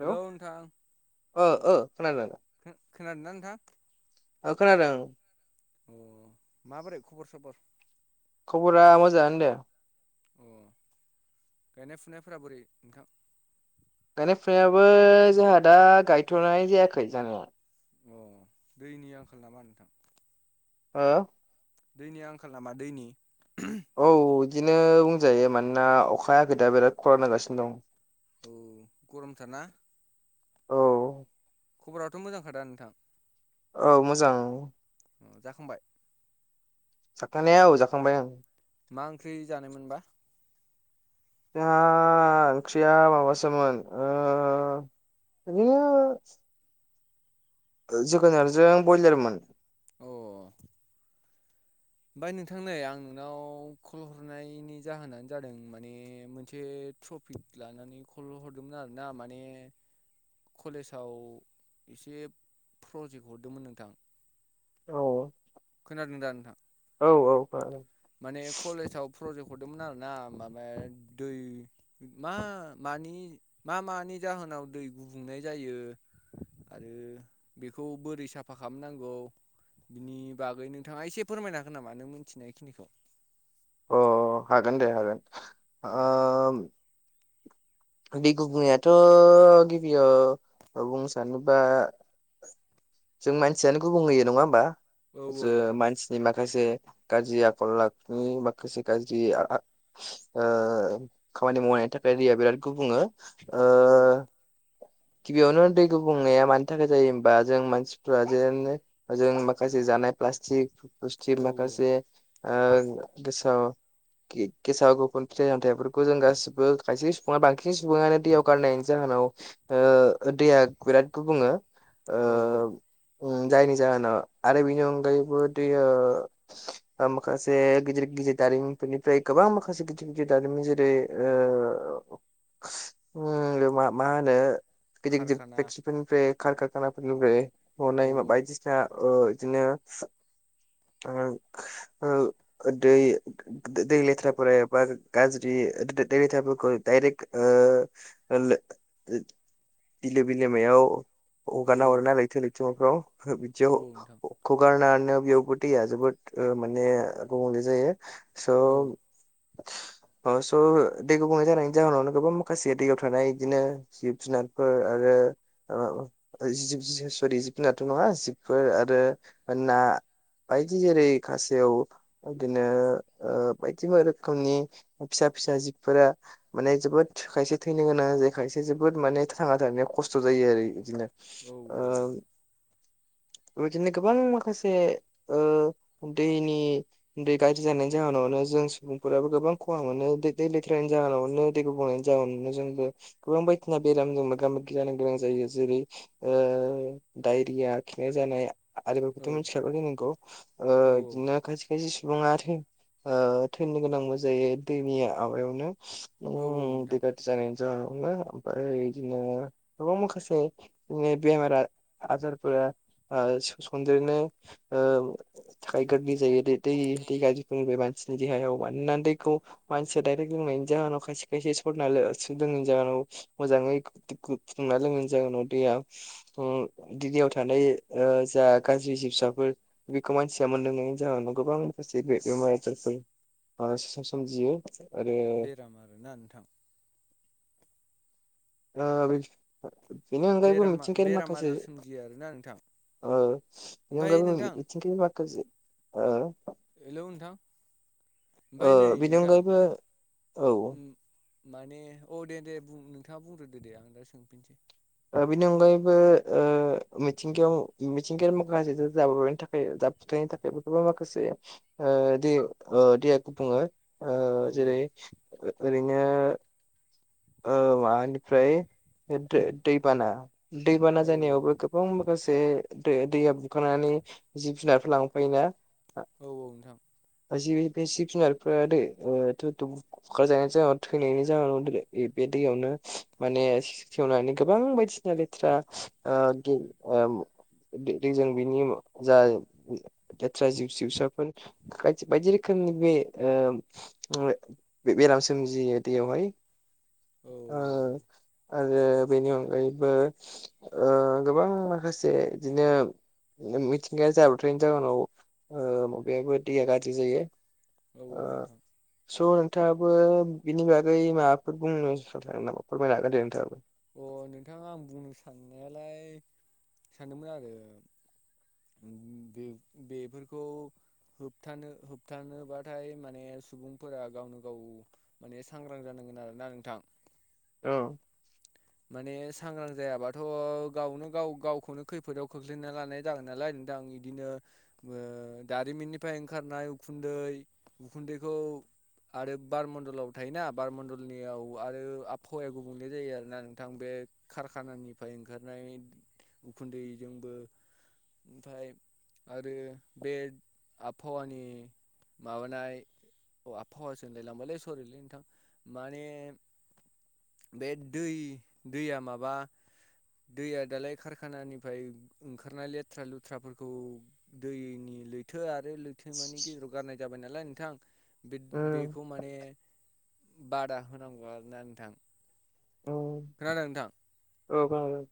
Hello थां ओ ओ खोनादों खोनादोंना नोंथां ओ खोनादों ओ माबोरै खबर सबर खबरा मोजाङानो दे अ गायनाय फुनायफोरा बोरै नोंथां गायनाय फुनायाबो जोंहा दा गायथ'नाय जायाखै जानाया अ दैनि आंखाल नामा ओ दैनि आंखाल नामा दैनि औ बिदिनो बुंजायो मानोना अखाया आगोदा बिराद खरा नांगासिनो दं औ गर'म थारना औ खबरथ' मोजांखादा नोंथां औ मोजां जाखांबाय जाखानाया औ जाखांबाय आं मा ओंख्रि जानायमोनबा जा ओंख्रिया माबासोमोन ओ इदिनो जोगोनारजों ब्रयलारमोन अ ओमफ्राय नोंथां नै आं नोंनाव खल हरनायनि जाहोनानो जादों माने मोनसे ट्रफि लानानै खल हरदोंमोन आरोना माने कलेजाव एसे प्रजेक्ट हरदोंमोन नोंथां खोनादों दा नोंथां औ औ औ माने कलेसआव प्रजेक्ट हरदोंमोन आरोना माब दै मा मानि मा मानि नि जाहोनाव दै गुबुंनाय जायो आरो बेखौ बोरै साफा खालामनांगौ बिनि बागै नोंथाङा एसे फोरमायनो हागोन नामा नों मिथिनाय बेखिनिखौ अ हागोन दे हागोन औ दै गुबुंनायाथ' गिबियाव बुंनो सानोबा जों मानसियानो गुबुंहोयो नङा होमबा औ औ नोंथां मानसिनि माखा माखासे गाज्रि आखल आखुनि माखासे गाज्रि ओ खामानि मावनायनि थाखाय दैया बिराद गुबुंङो ओ औ गिबियावनो दै गुबुंनाया मानि थाखाय जायो होबा जों मानसिफ्रा जोेन जों माखासे जानाय प्लास्टिक पुस्टिक औ माखासे गोसोआव गेसाव गोफोन फिथाइ सामथाइफोरखौ जों गासिबो खायसे सुबुङा बांसिन सुबुङानो दैयाव गारनायनि जाहोनाव दैया बिराद गुबुङो औ औ जायनि जाहोनाव आरो बेनि अनगायैबो दैया माखासे गिदिर गिद जि दारिमिननिफ्राय गोबां माखासे गिदिर गिदिर दारिमिन जेरै बे मा मा होनो गिदिर गिदिर कारखाना फक्ट्रिफोरनिफ्राय औ कारकखानाफोरनिफ्रायनाय बायदिसिना ओदिनो ओ ओ ओ दै द-द-दै लेथ्राफोरा एबा गारज्रि नि द-द-दै लेथ्राफोरखौ डाइरेक्ट ओ ओ लो ओ बिलो बिलिमायाव औ अ-अगारना औ हरो नालायथो नों [unintelligible] फ्राव हो औ बिदिआव औ नोंथां अ खगारनान ना बेयावबो दैया जोबोद ओ माने गुबुंले जायो स औ [inaudible] ओ स' दै गुबुंले जानायनि जाहोनावनो गोबां माखासे दैयाव थानाय इदिनो जिब जुनारफोर आरो रो ओ ओ जिब-जिब स'रि जिब जुनाथ' नङा जिबफोर आरो ओ ना बायदि जेरै खासेव इदिनो ओ बायदि मो रोखोमनि फिसा फिसा जिबफोरा माने जोबोद खायसे थैनो गोनां जायो खायसे जोबोद माने थांना थानायाव खस्थ' जा जायो आरो इ-इदिनो औ ओ [inaudible] बिदिनो गोबां माखासे ओ दैनि दै गाज्रि जानायनि जाहोनाव नो जों सुबुंफोराबो गोबां खहा मोनो दै दै लेथ्रानि जाहोनावनो दै गुबुंनायनि जाहोनाव नों जोंबो गो बां बायदिसिना बेलामजों मोगा मोगि जानो गोनां जायो जेरै ओ डायरिया खिनाय जानाय आरो बेखौथ' मिथिखागौ जानांगौ ओ औ इदिनो खायसे खायसे सुबुङा थै ओ थैनो गोनांबो जायो दैनि आबायावनो। औ उम नोंथां बिराद जानाय जाउनाव नो आमफाय इदिनो गोबां माखासे नि बेमारा आदारफोरा ओ स-सन्देरनो ओ थाखाय गारलै जायो। दे दै दै गारजिफोरनिफाय मान सिनि देहायाव मानोना दैखौ मानसिया डाइरेक्ट लोंनायनि जाहोनाव खायसे खायसे सरना लो ओ सोदों जाहोनाव मोजाङै दै खु फुदुंना लोंनायनि जाहोनाव दैया उम दैयाव थानाय ओ जा गाज्रि जिबसाफोर बेखौ मानसिया मोनलोंनायनि जाहोनाव गोबां जेबो बेमार आजारफोर माबा सो सोमजियो। आरो बेराम आरोना नोंथां। आ [unintelligible] बेरामा बेराम आजार सोमजियो आरोना नोंथां। ओ ओमफ्राय नोंथां [unintelligible] ओ। हेलौ नोंथां। ओमफ्राय ओ नै बेनि नोंथां अनगायैबो औ उम माने औ दे दे बुं नोंथाङा बुंग्रोदो दे आं दा सोंफिनसै। ओ बिनि अनगायैबो ओ मिथिंगायाव इ मिथिंगायारि माखासे जा-जाब्रबनायनि थाखाय जाबुथायनि थाखायबोथ' माखासे ओ दैआव ओ दैया गुबुङो ओ औ जेरै ओ ओरैनो ओ माबानिफ्राय ओ दै-दै बाना दैबाना औ जानायावबो गोबां माखासे दो दैया बुखांनानै जिब जुनारफोर लांफायोना औ औ नोंथां। जि बे जिब जुनारफ्रा दे [unintelligible] बुखार जानायनि जाहोनाव थैनायनि जाहोनाव दोनै बे बे दैयावनो माने से-सेवनानै गोबां बायदिसिना लेथ्रा ओ गे ओ दो दै जों बिनि उम जा ले-लेथ्रा जिउ-जिउसाफोर बायदि बायदि रोखोम नि उम उम बे-बेराम सोमजियो दैयावहाय। औ ओ। आरो बेनि अनगायैबो ओ गोबां माखासे इदिनो मि-मिथिंगाया जाब्रबथायनि जाहोनाव ओ माबायाबो दैया गाज्रि जायो। औ ओ औ नोंथां स' नोंथाङाबो बिनि बागै माबा फोर बुंनो [unintelligible] नामा फोरमायनो हागोन दे नोंथाबो। अ नोंथाङा आं बुंनो साननायालाय सानदोंमोन आरो बे बेफोरखौ होबथानो होबथानोबाथाय माने सुबुंफोरा गावनो गाव माने सांग्रां जानो आरोना नोंथां औ माने सांग्रां जायाबाथ गावनो गाव गावखौनो खैफोदाव खोख्लैना लानाय जागोन नालाय थां बिदिनो ओ दारिमिननिफ्राय ओंखारनाय उखुन्दै उखुन्दैखौ आरो बारमणडलाव थायोना बारमणडलनियाव आरो आबहावाया गुबुंले जायो आरोना नोंथां बे कारखानानिफ्राय ओंखारनाय उखुन्दैजोंबो। ओमफ्राय आरो बे आबहावानि माबानाय आबहावासो होनलायलांबायलै सरिलै नोंथां माने बे दै दैया माबा दैया दालाय खारखानानिफ्राय ओंखारनाय लेथ्रा लुथ्राफोरखौ दैनि लैथो आर आरो लैथो मानि गेजेराव गारनाय जाबाय नालाय नोंथां बे उम बेखौ माने बादा होनांगौ आरोना नोंथां। उम खोनादों नोंथां औ खोनादों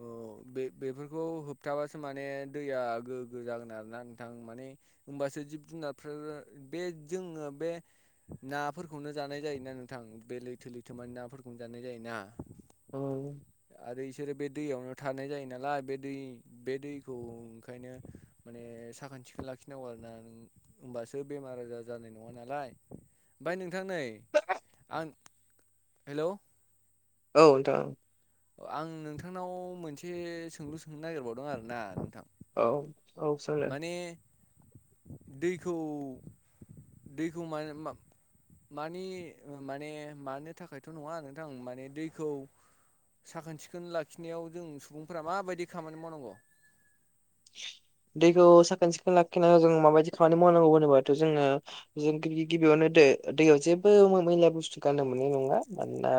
औ। बे बेफोरखौ होबथाबासो माने दैया गोग्गो जागोन आरोना नोंथां माने होमबासो। जिब जुनारफोर बे जोङो बे नाफोरखौनो जानाय जायोना नोंथां बे लैथो लैथोमानि नाफोरखौनो जानाय जायोना। औ। आरो बिसोरो बे दैयावनो थानाय जायो नालाय बे दै बे दैखौ ओंखायनो माने साखोन सिखोन लाखिनांगौ आरोना नों होमबासो बेमार आजार जानाय नङा नालाय। ओफ्राय नोंथां नै आं हेलौ। औ नोंथां। आं नोंथांनाव मोनसे सोंलु सोंनो नागिरबावदों आरो ना नोंथां। औ औ सोंदो। माने दैखौ दैखौ माने मानि माने मानो थाखायथ नङा नोंथां माने दैखौ साखोन सिखोन लाखिनायाव जों सुबुंफोरा माबायदि खामानि मावनांगौ? [inaudible] दैखौ साखोन सिखोन लाखिनांगौ जों माबायदि खामानि मावनांगौ होनोबाथ जोङो जों गिबि गिबियावनो ओ दैयाव जेबो मैला बुस्थु गारनो मोननाय नङा। मानोना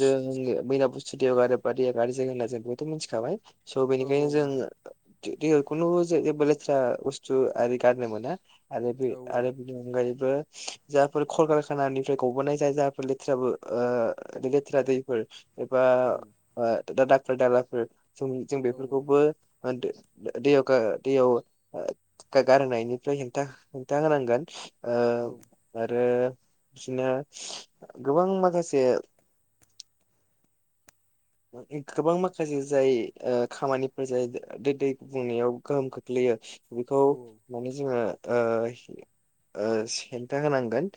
जों मैला बुस्थु दैयाव गारोबा दैया गाज्रि जागोन होनना जों बेखौथ मिथिखाबाय। स औ बेनिखायनो औ जों नोंथां दैयाव खुनु जेबो लेथ्रा बुस्थु आरि गारनो मोना। आरो बे औ आरो बेनि अनगायैबो जाफोर खलकारखानानिफ्राय गबोनाय जा जाबोर लेथ्रा ओ लेथ्रा दैफोर एबा औ दा दाखोर दालाफोर जों औ औ बेफोरखौबो दैयाव दैयाव गा गारहरनायनिफ्राय हेंथा हेंथा होनांगोन। ओ औ आरो बिदिनो गोबां माखासे गोबां माखासे जाय ओ खामानिफोर जाय दै दै गुबुंनायाव गोहोम खोख्लैयो। बेखौ औ माने जोङो ओ ओ हेंथा होनांगोन।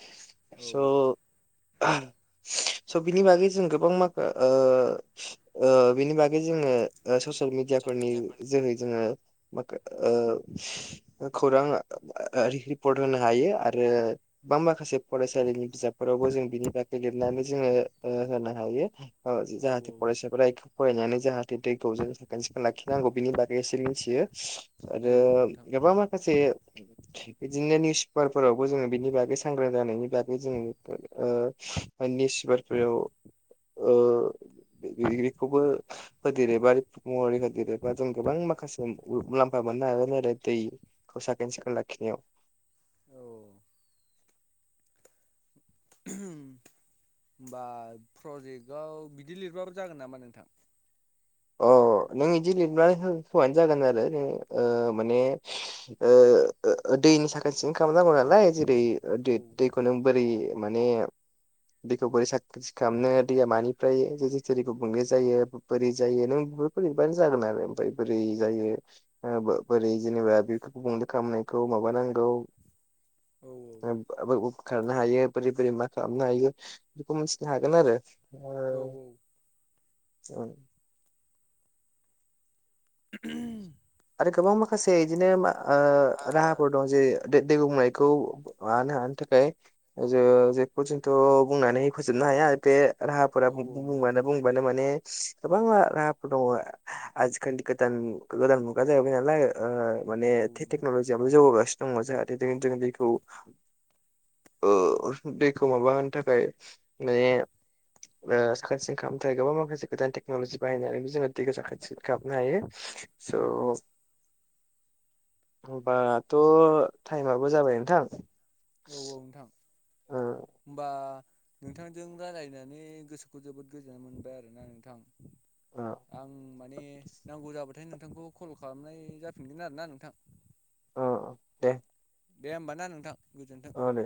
औ स स बिनि बागै जों गोबां माखा ओ ओ बिनि बागै जोङो ससियेल मिडियाफोरनि जोहै जोङो माखो ओ खौरां रिपर्ट होनो हायो आरो। बा माखासे फरायसालिनि बिजाबफोरावबो जों बिनि बागै लिरनानै जोङो ओ होनो हायो ओ औ जाहाथे फरायसाफोरा बेखौ फरायनानै जाहाथ दैखौ जों साखोन सिखोन लाखिनांगौ बिनि बागै एसे मिथियो औ आरो नोंथां गोबां माखासे [unintelligible] बिदिनो निउस पेपारफोरावबो जोङो बिनि बागै सांग्रां जानायनि बागै जोङो ओ निउस पेपारफोराव ओ डिग्रिखौबो होदेरो बा महरै होदेरोबा जों गोबां माखासे मुलाम्फा मोननो हागोन आरो दै। साखोन सिखोन लाखिनायाव। औ [inaudible] होमबा प्रजेक्टआव बिदि लिरबाबो जागोन नामा नोंथां अ नों बिदि लिरनानै होबानो जागोन आरो माने दैनि साखोन सिखोन खालामनांगौ नालाय जेरै औ दैखौ नों बोरै माने दैखौ बोरै साखोन सिखोन खालामनो दैया मानिफ्राय [unintelligible] गुबुंलें जायो बोरै जायो नों बेफोरखो लिरबानो जागोन आरो ओमफ्राय बोरै जायो बोरै जेनेबा बे खालामनायखौ माबा नांगौ औ खारनो हायो बोरै बोरै मा खालामनो हायो बेखौ मिथिनो हागोन आरो औ औ औ [inaudible] आरो गोबां माखासे बिदिनो राहाफोर दं जेरै दै गुबुंनायखौ माबानो हानो थाखाय थाखाय ज जेखौ जोंथ' बुंनानै फोजोबनो हाया बे राहाफोरा औ नोंथां बुंबानो बुंबानो माने गोबां राहाफोर दङ आजिखालि गोदान गोदान मुगा जाहैबाय नालाय माने औ नोंथां टेक्न'लजियाबो जौगागासिनो दङ जाहाथे जों दैखौ दैखौ माबा होनो थाखाय माने साखोन सिखोन खालामनो थाखाय गोबां माखासे गोदान टेक्न'लजि बाहायनानैबो जोङो दैखौ साखोन सिखोन खालामनो हायो अ औ होनबाथ' टाइमाबो जाबाय नोंथां औ औ नोंथां ओ होमबा नोंथांजों रायज्लायनानै गोसोखौ जोबोद गोजोननाय मोनबाय आरोना नोंथां ओ आं माने नांगौ जाबो नोंथांखौ कल खालामनाय जाफिनगोन आरोना नोंथां अ दे दे होमबा ना नोंथां गोजोन्थों अ दे